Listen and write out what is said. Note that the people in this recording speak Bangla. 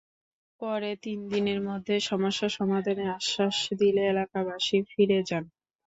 পরে তিন দিনের মধ্যে সমস্যা সমাধানের আশ্বাস দিলে এলাকাবাসী ফিরে যান।